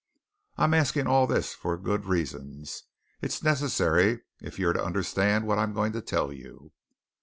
"I'm asking all this for good reasons it's necessary, if you're to understand what I'm going to tell you."